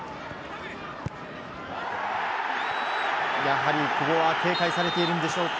やはり久保は警戒されているんでしょうか。